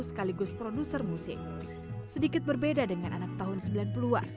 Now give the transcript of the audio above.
sekaligus produser musik sedikit berbeda dengan anak tahun sembilan puluh an